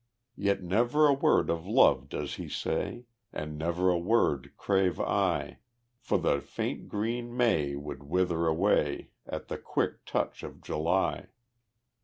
Yet never a word of love does he say, And never a word crave I; For the faint green May would wither away At the quick touch of July.